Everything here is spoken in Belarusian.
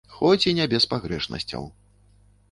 Хоць і не без пагрэшнасцяў.